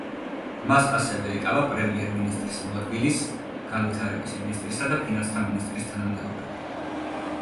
მას ასევე ეკავა პრემიერ-მინისტრის მოადგილის, განვითარების მინისტრისა და ფინანსთა მინისტრის თანამდებობები.